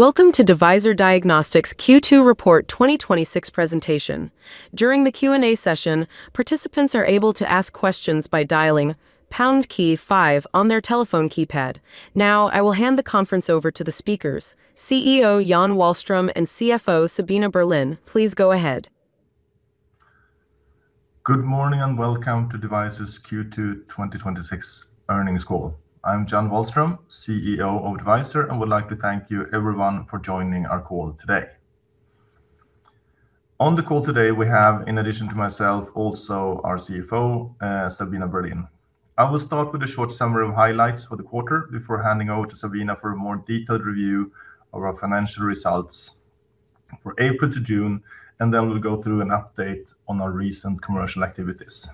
Welcome to Devyser Diagnostics Q2 Report 2026 presentation. During the Q&A session, participants are able to ask questions by dialing pound key five on their telephone keypad. I will hand the conference over to the speakers, CEO Jan Wahlström and CFO Sabina Berlin. Please go ahead. Good morning, welcome to Devyser's Q2 2026 earnings call. I'm Jan Wahlström, CEO of Devyser, and would like to thank you everyone for joining our call today. On the call today, we have, in addition to myself, also our CFO, Sabina Berlin. I will start with a short summary of highlights for the quarter before handing over to Sabina for a more detailed review of our financial results for April to June. We'll go through an update on our recent commercial activities.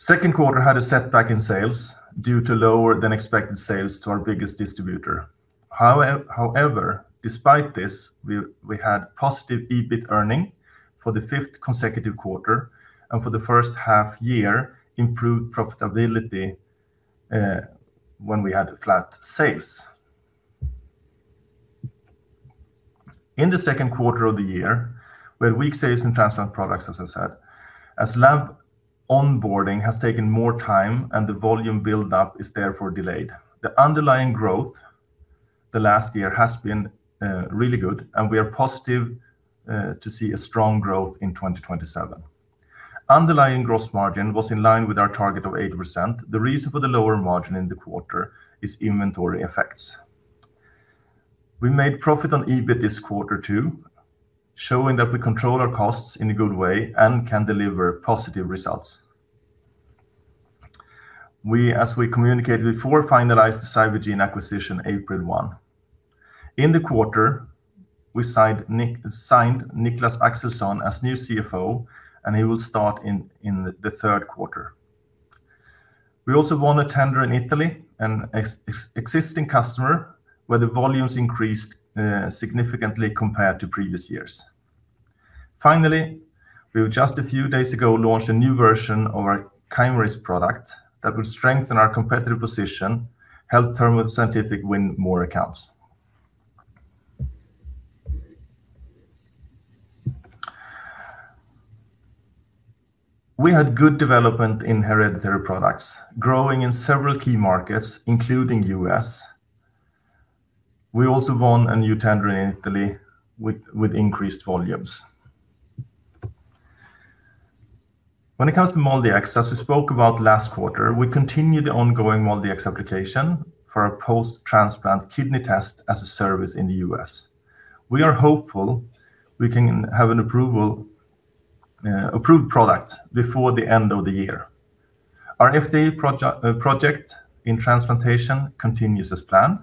Second quarter had a setback in sales due to lower than expected sales to our biggest distributor. However, despite this, we had positive EBIT earning for the fifth consecutive quarter and for the first half year, improved profitability when we had flat sales. In the second quarter of the year, we had weak sales in transplant products, as I said, as lab onboarding has taken more time, the volume buildup is therefore delayed. The underlying growth the last year has been really good. We are positive to see a strong growth in 2027. Underlying gross margin was in line with our target of 80%. The reason for the lower margin in the quarter is inventory effects. We made profit on EBIT this quarter too, showing that we control our costs in a good way and can deliver positive results. As we communicated before, we finalized the CyberGene acquisition April 1. In the quarter, we signed Niklas Axelsson as new CFO. He will start in the third quarter. We also won a tender in Italy, an existing customer, where the volumes increased significantly compared to previous years. We just a few days ago launched a new version of our Chimerism product that will strengthen our competitive position, help Thermo Scientific win more accounts. We had good development in hereditary products, growing in several key markets, including U.S. We also won a new tender in Italy with increased volumes. When it comes to MolDx, as we spoke about last quarter, we continue the ongoing MolDx application for a post-transplant kidney test as a service in the U.S. We are hopeful we can have an approved product before the end of the year. Our FDA project in transplantation continues as planned.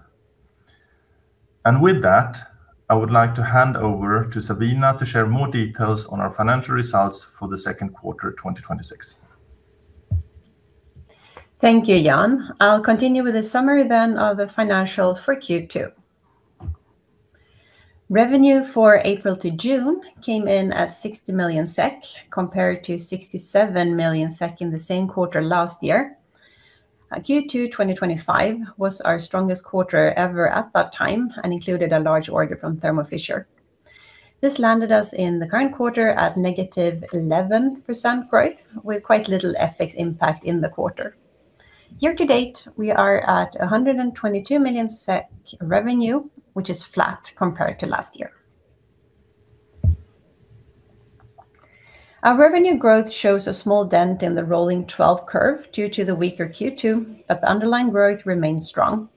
With that, I would like to hand over to Sabina to share more details on our financial results for the second quarter, 2026. Thank you, Jan. I will continue with a summary then of the financials for Q2. Revenue for April to June came in at 60 million SEK, compared to 67 million SEK in the same quarter last year. Q2 2025 was our strongest quarter ever at that time and included a large order from Thermo Fisher. This landed us in the current quarter at -11% growth, with quite little FX impact in the quarter. Year-to-date, we are at 122 million SEK revenue, which is flat compared to last year. Our revenue growth shows a small dent in the rolling 12 curve due to the weaker Q2, but the underlying growth remains strong.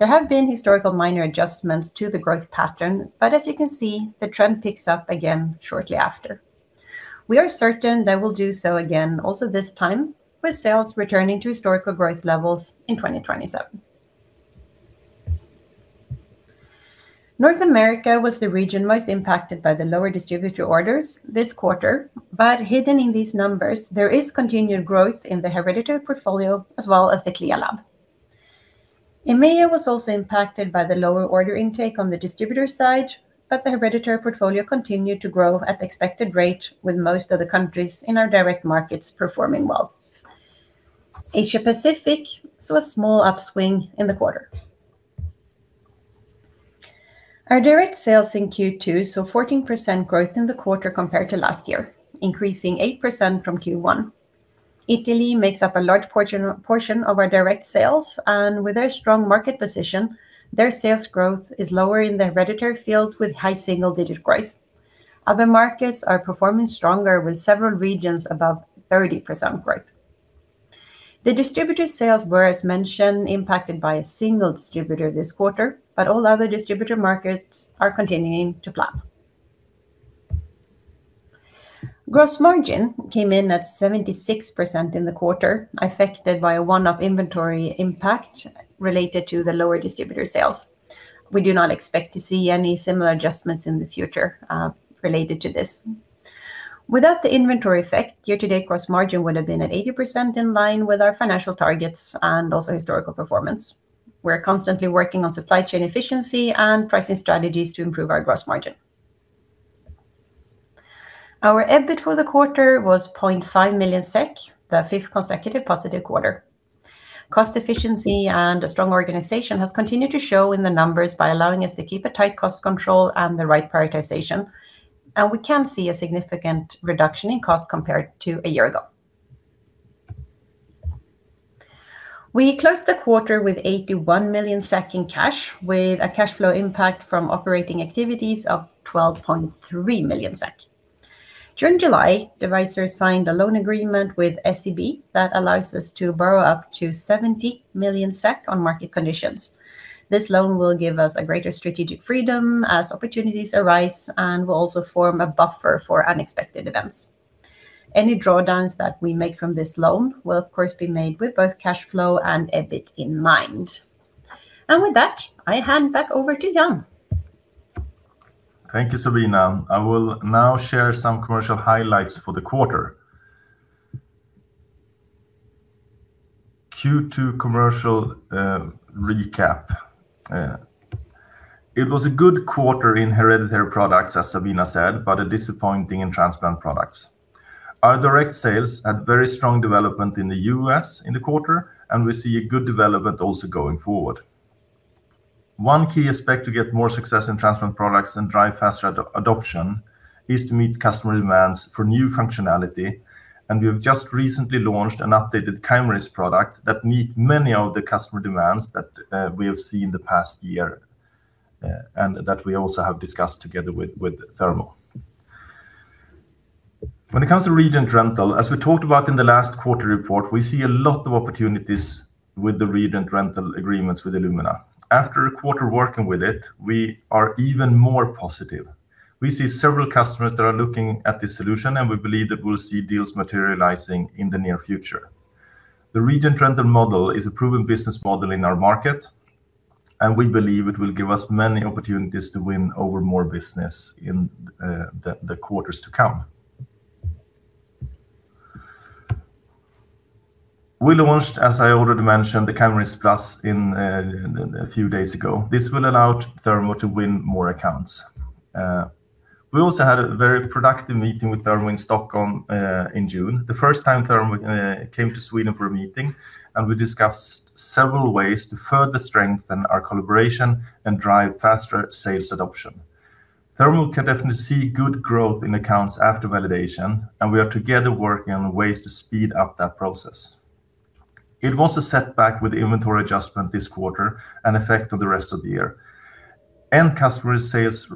There have been historical minor adjustments to the growth pattern, but as you can see, the trend picks up again shortly after. We are certain that we will do so again also this time, with sales returning to historical growth levels in 2027. North America was the region most impacted by the lower distributor orders this quarter, but hidden in these numbers, there is continued growth in the hereditary portfolio as well as the CLIA lab. EMEA was also impacted by the lower order intake on the distributor side, but the hereditary portfolio continued to grow at expected rate with most of the countries in our direct markets performing well. Asia-Pacific saw a small upswing in the quarter. Our direct sales in Q2 saw 14% growth in the quarter compared to last year, increasing 8% from Q1. Italy makes up a large portion of our direct sales, and with their strong market position, their sales growth is lower in the hereditary field with high-single digit growth. Other markets are performing stronger with several regions above 30% growth. The distributor sales were, as mentioned, impacted by a single distributor this quarter, but all other distributor markets are continuing to plan. Gross margin came in at 76% in the quarter, affected by a one-off inventory impact related to the lower distributor sales. We do not expect to see any similar adjustments in the future related to this. Without the inventory effect, year-to-date gross margin would have been at 80% in line with our financial targets and also historical performance. We are constantly working on supply chain efficiency and pricing strategies to improve our gross margin. Our EBIT for the quarter was 0.5 million SEK, the fifth consecutive positive quarter. Cost efficiency and a strong organization has continued to show in the numbers by allowing us to keep a tight cost control and the right prioritization. We can see a significant reduction in cost compared to a year ago. We closed the quarter with 81 million SEK in cash, with a cash flow impact from operating activities of 12.3 million SEK. During July, Devyser signed a loan agreement with SEB that allows us to borrow up to 70 million SEK on market conditions. This loan will give us a greater strategic freedom as opportunities arise and will also form a buffer for unexpected events. Any drawdowns that we make from this loan will of course, be made with both cash flow and EBIT in mind. With that, I hand back over to Jan. Thank you, Sabina. I will now share some commercial highlights for the quarter. Q2 commercial recap. It was a good quarter in hereditary products, as Sabina said, but disappointing in transplant products. Our direct sales had very strong development in the U.S. in the quarter, and we see a good development also going forward. One key aspect to get more success in transplant products and drive faster adoption is to meet customer demands for new functionality, and we have just recently launched an updated Chimerism product that meet many of the customer demands that we have seen in the past year, and that we also have discussed together with Thermo. When it comes to Reagent Rental, as we talked about in the last quarter report, we see a lot of opportunities with the Reagent Rental agreements with Illumina. After a quarter working with it, we are even more positive. We see several customers that are looking at this solution, and we believe that we'll see deals materializing in the near future. The Reagent Rental Model is a proven business model in our market, and we believe it will give us many opportunities to win over more business in the quarters to come. We launched, as I already mentioned, the Chimerism Plus a few days ago. This will allow Thermo to win more accounts. We also had a very productive meeting with Thermo in Stockholm in June, the first time Thermo came to Sweden for a meeting, and we discussed several ways to further strengthen our collaboration and drive faster sales adoption. Thermo can definitely see good growth in accounts after validation, and we are together working on ways to speed up that process. It was a setback with inventory adjustment this quarter and effect on the rest of the year. End customers' sales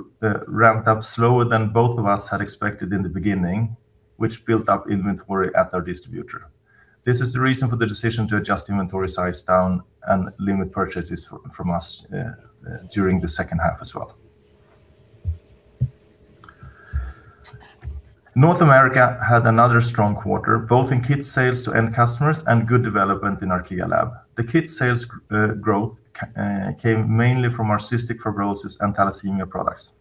ramped up slower than both of us had expected in the beginning, which built up inventory at our distributor. This is the reason for the decision to adjust inventory size down and limit purchases from us during the second half as well. North America had another strong quarter, both in kit sales to end customers and good development in our CLIA lab. The kit sales growth came mainly from our cystic fibrosis and thalassemia products.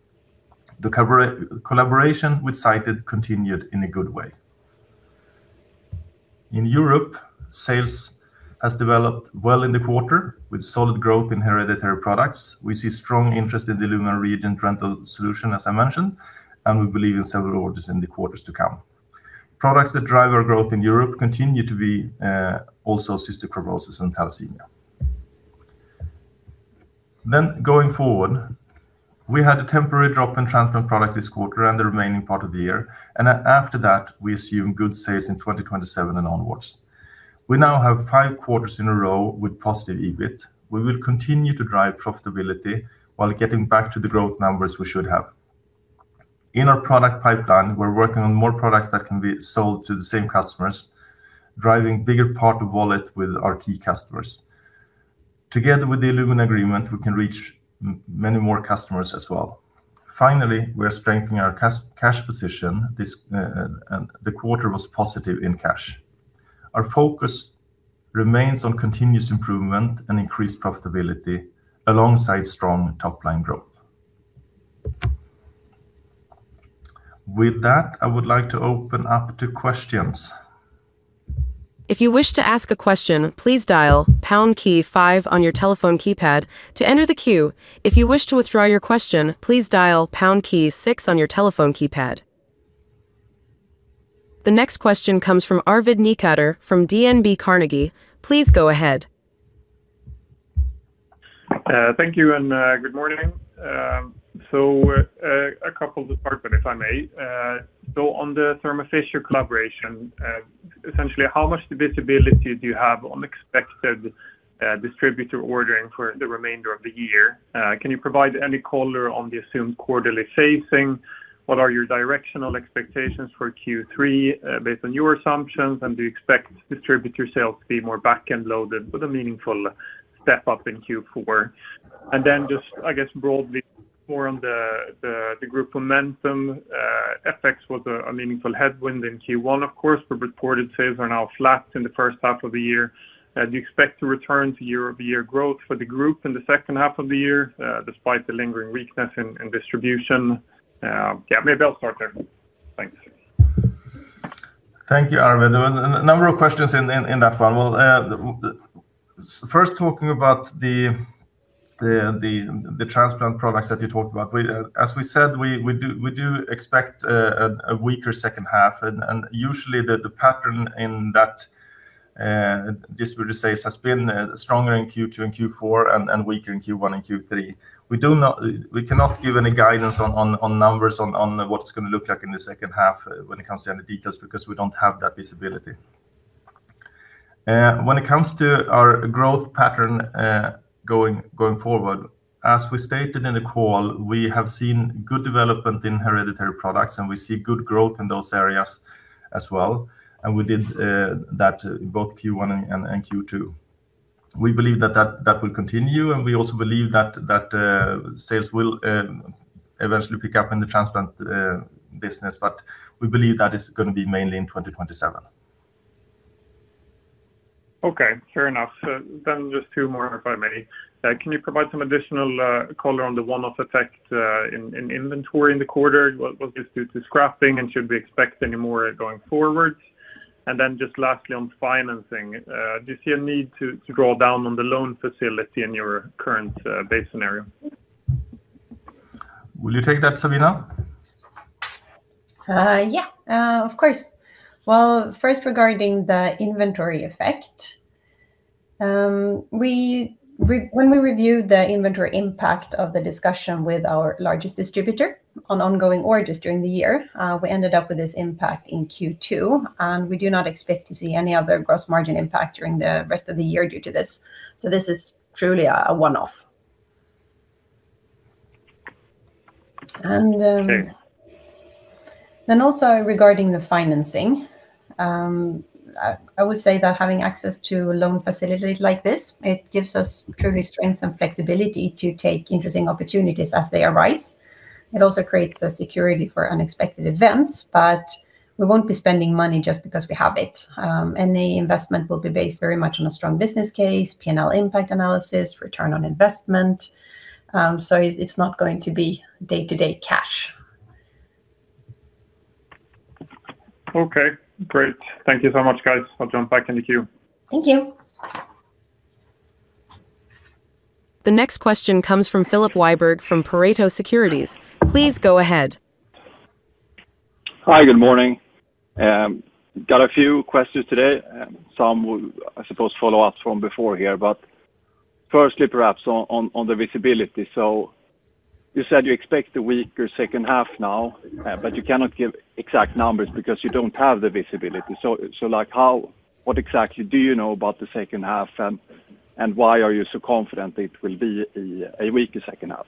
The collaboration with Cyted continued in a good way. In Europe, sales has developed well in the quarter, with solid growth in hereditary products. We see strong interest in the Illumina reagent rental solution, as I mentioned, and we believe in several orders in the quarters to come. Products that drive our growth in Europe continue to be also cystic fibrosis and thalassemia. Going forward, we had a temporary drop in transplant product this quarter and the remaining part of the year, and after that, we assume good sales in 2027 and onwards. We now have five quarters in a row with positive EBIT. We will continue to drive profitability while getting back to the growth numbers we should have. In our product pipeline, we're working on more products that can be sold to the same customers, driving bigger part of wallet with our key customers. Together with the Illumina agreement, we can reach many more customers as well. Finally, we are strengthening our cash position. The quarter was positive in cash. Our focus remains on continuous improvement and increased profitability alongside strong top-line growth. With that, I would like to open up to questions. If you wish to ask a question, please dial pound key five on your telephone keypad to enter the queue. If you wish to withdraw your question, please dial pound key six on your telephone keypad. The next question comes from Arvid Necander from DNB Carnegie. Please go ahead. Thank you, and good morning. A couple to start with, if I may. On the Thermo Fisher collaboration, essentially, how much visibility do you have on expected distributor ordering for the remainder of the year? Can you provide any color on the assumed quarterly phasing? What are your directional expectations for Q3 based on your assumptions, and do you expect distributor sales to be more back-end loaded with a meaningful step up in Q4? Just, I guess, broadly more on the group momentum. FX was a meaningful headwind in Q1, of course, but reported sales are now flat in the first half of the year. Do you expect to return to year-over-year growth for the group in the second half of the year, despite the lingering weakness in distribution? Maybe I'll start there. Thanks. Thank you, Arvid. There were a number of questions in that one. First, talking about the transplant products that you talked about. As we said, we do expect a weaker second half, and usually the pattern in that distributor sales has been stronger in Q2 and Q4 and weaker in Q1 and Q3. We cannot give any guidance on numbers on what it's going to look like in the second half when it comes to the details because we don't have that visibility. When it comes to our growth pattern going forward, as we stated in the call, we have seen good development in hereditary products, and we see good growth in those areas as well. We did that in both Q1 and Q2. We believe that will continue, and we also believe that sales will eventually pick up in the transplant business, but we believe that is going to be mainly in 2027. Okay, fair enough. Just two more, if I may. Can you provide some additional color on the one-off effect in inventory in the quarter? Was this due to scrapping, and should we expect any more going forward? Just lastly, on financing, do you see a need to draw down on the loan facility in your current base scenario? Will you take that, Sabina? Yeah. Of course. First regarding the inventory effect, when we reviewed the inventory impact of the discussion with our largest distributor on ongoing orders during the year, we ended up with this impact in Q2. We do not expect to see any other gross margin impact during the rest of the year due to this. This is truly a one-off. Okay. Also regarding the financing, I would say that having access to a loan facility like this, it gives us truly strength and flexibility to take interesting opportunities as they arise. It also creates a security for unexpected events. We won't be spending money just because we have it. Any investment will be based very much on a strong business case, P&L impact analysis, return on investment. It's not going to be day-to-day cash. Okay, great. Thank you so much, guys. I'll jump back in the queue. Thank you. The next question comes from Filip Wiberg from Pareto Securities. Please go ahead. Hi, good morning. Got a few questions today. Some will, I suppose, follow ups from before here. Firstly, perhaps on the visibility. You said you expect a weaker second half now, but you cannot give exact numbers because you don't have the visibility. What exactly do you know about the second half, and why are you so confident it will be a weaker second half?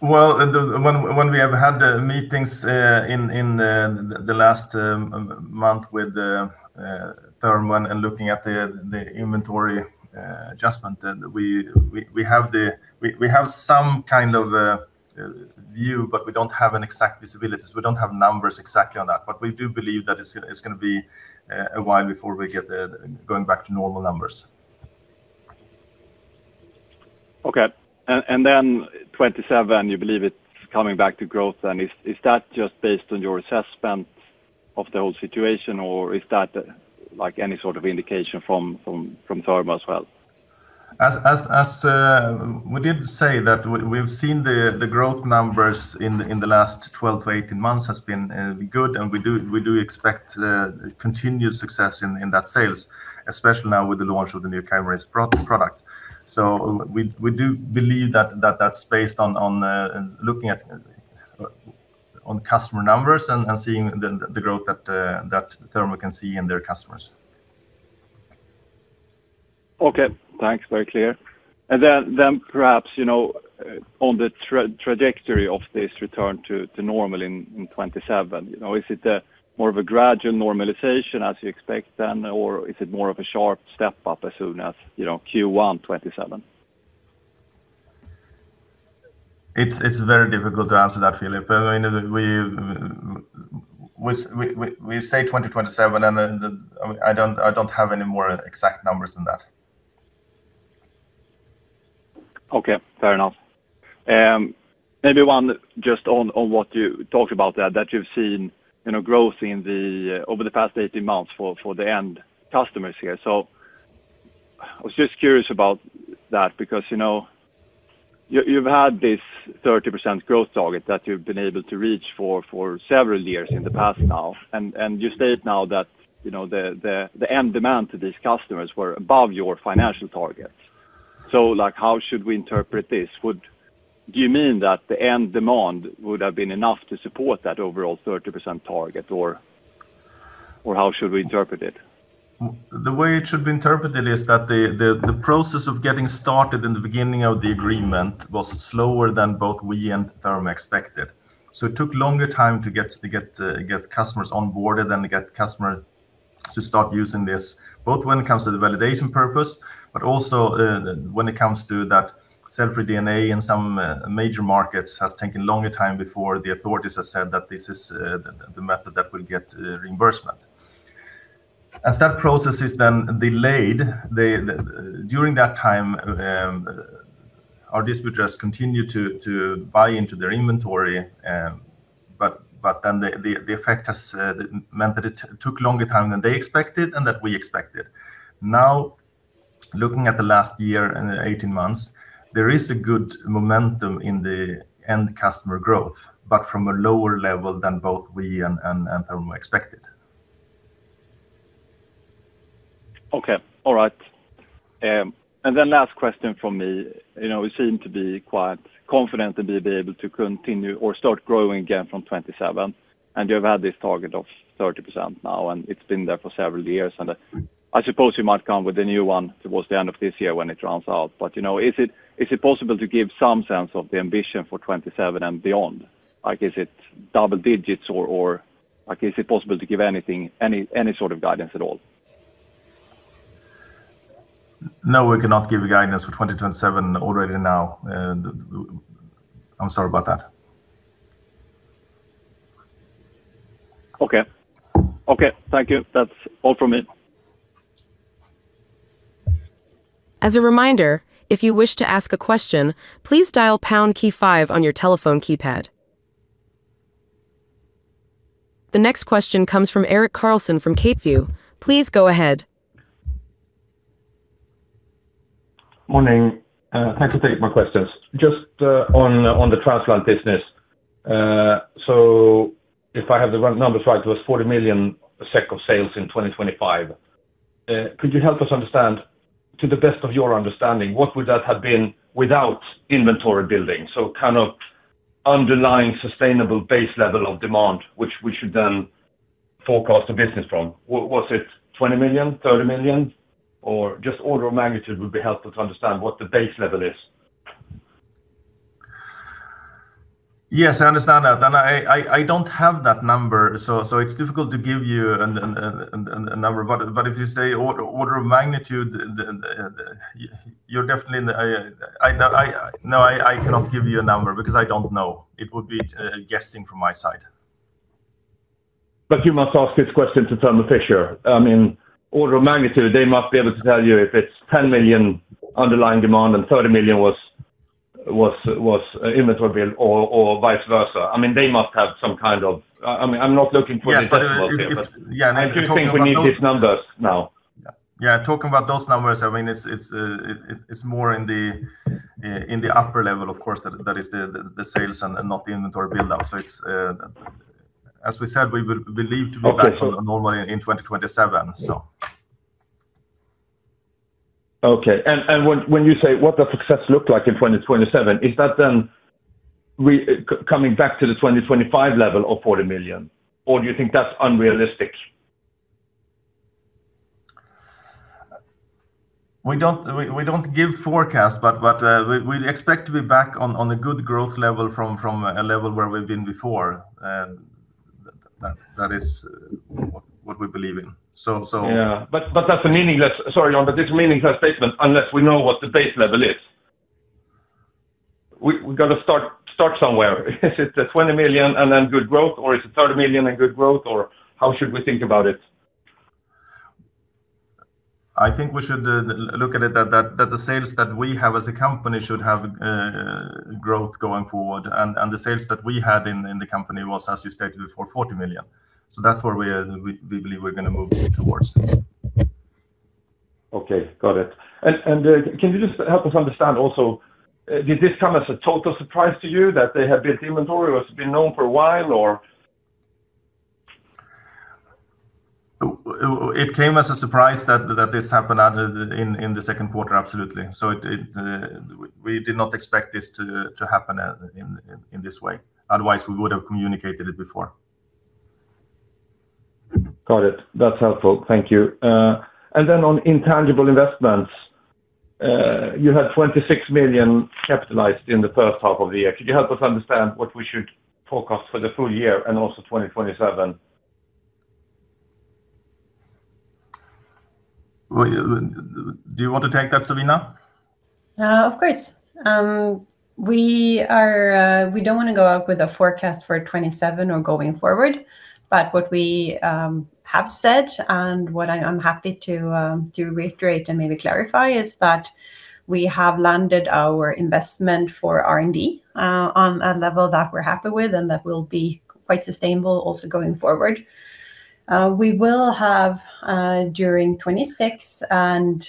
Well, when we have had the meetings in the last month with Thermo and looking at the inventory adjustment, we have some kind of a view, but we don't have an exact visibility. We don't have numbers exactly on that. We do believe that it's going to be a while before we get going back to normal numbers. Okay. 2027, you believe it's coming back to growth. Is that just based on your assessment of the whole situation, or is that any sort of indication from Thermo as well? As we did say that we've seen the growth numbers in the last 12-18 months has been good, we do expect continued success in that sales, especially now with the launch of the new Chimerism product. We do believe that's based on looking at customer numbers and seeing the growth that Thermo can see in their customers. Okay, thanks. Very clear. Perhaps, on the trajectory of this return to normal in 2027, is it more of a gradual normalization as you expect then? Or is it more of a sharp step-up as soon as Q1 2027? It's very difficult to answer that, Filip. We say 2027, and then I don't have any more exact numbers than that. Okay, fair enough. Maybe one just on what you talked about there, that you've seen growth over the past 18 months for the end customers here. I was just curious about that because you've had this 30% growth target that you've been able to reach for several years in the past now, and you state now that the end demand to these customers were above your financial targets. How should we interpret this? Do you mean that the end demand would have been enough to support that overall 30% target? Or how should we interpret it? The way it should be interpreted is that the process of getting started in the beginning of the agreement was slower than both we and Thermo expected. It took longer time to get customers onboarded and to get customers to start using this, both when it comes to the validation purpose, but also when it comes to that cell-free DNA in some major markets has taken a longer time before the authorities have said that this is the method that will get reimbursement. As that process is then delayed, during that time, our distributors continue to buy into their inventory. The effect has meant that it took longer time than they expected and that we expected. Now, looking at the last year and the 18 months, there is a good momentum in the end customer growth, but from a lower level than both we and Thermo expected. Okay. All right. Last question from me. You seem to be quite confident that we'll be able to continue or start growing again from 2027, and you've had this target of 30% now, and it's been there for several years. I suppose you might come with a new one towards the end of this year when it runs out. Is it possible to give some sense of the ambition for 2027 and beyond? Is it double digits, or is it possible to give any sort of guidance at all? No, we cannot give a guidance for 2027 already now. I'm sorry about that. Okay. Thank you. That's all from me. As a reminder, if you wish to ask a question, please dial pound key five on your telephone keypad. The next question comes from Erik Karlsson from CapeView. Please go ahead. Morning. Thanks for taking my questions. Just on the transplant business. If I have the numbers right, it was 40 million SEK of sales in 2025. Could you help us understand, to the best of your understanding, what would that have been without inventory building? Kind of underlying sustainable base level of demand, which we should then forecast the business from. Was it 20 million, 30 million, or just order of magnitude would be helpful to understand what the base level is? Yes, I understand that. I don't have that number, it's difficult to give you a number, if you say order of magnitude, you're definitely in the. No, I cannot give you a number because I don't know. It would be guessing from my side. You must ask this question to Thermo Fisher. Order of magnitude, they must be able to tell you if it's 10 million underlying demand and 30 million was inventory build or vice versa? Yes. I just think we need these numbers now. Yeah, talking about those numbers, it's more in the upper level, of course, that is the sales and not the inventory buildup. As we said, we believe to be back to normal in 2027. Okay. When you say what the success looked like in 2027, is that then coming back to the 2025 level of 40 million? Or do you think that's unrealistic? We don't give forecast, we'll expect to be back on a good growth level from a level where we've been before. That is what we believe in. Yeah. Sorry, Jan, it's a meaningless statement unless we know what the base level is. We got to start somewhere. Is it a 20 million and then good growth, or is it 30 million and good growth, or how should we think about it? I think we should look at it that the sales that we have as a company should have growth going forward, and the sales that we had in the company was, as you stated, 40 million. That's where we believe we're going to move towards. Okay, got it. Can you just help us understand also, did this come as a total surprise to you that they had built inventory? Or has it been known for a while or? It came as a surprise that this happened in the second quarter, absolutely. We did not expect this to happen in this way. Otherwise, we would have communicated it before. Got it. That's helpful. Thank you. Then on intangible investments, you had 26 million capitalized in the first half of the year. Could you help us understand what we should forecast for the full year and also 2027? Do you want to take that, Sabina? Of course. We don't want to go out with a forecast for 2027 or going forward, what we have said and what I'm happy to reiterate and maybe clarify is that we have landed our investment for R&D on a level that we're happy with and that will be quite sustainable also going forward. We will have, during 2026 and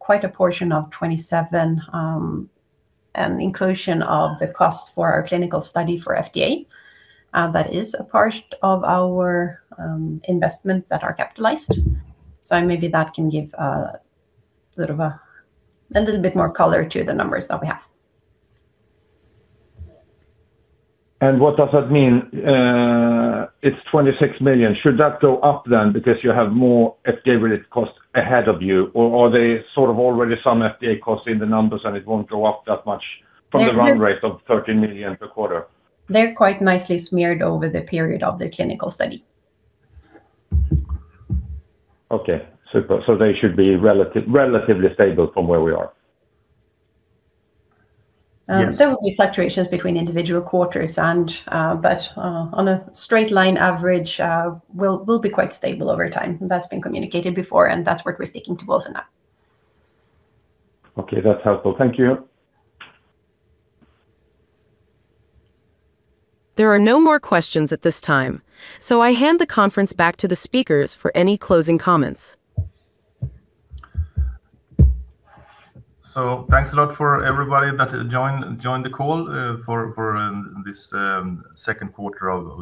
quite a portion of 2027, an inclusion of the cost for our clinical study for FDA. That is a part of our investment that are capitalized. Maybe that can give a little bit more color to the numbers that we have. What does that mean? It's 26 million. Should that go up then because you have more FDA related cost ahead of you? Or are they sort of already some FDA costs in the numbers and it won't go up that much from the run rate of 13 million per quarter? They're quite nicely smeared over the period of the clinical study. Okay. Super. They should be relatively stable from where we are? Yes. There will be fluctuations between individual quarters but on a straight line average, will be quite stable over time. That's been communicated before, and that's what we're sticking to also now. Okay. That's helpful. Thank you. There are no more questions at this time, so I hand the conference back to the speakers for any closing comments. Thanks a lot for everybody that joined the call for this second quarter of.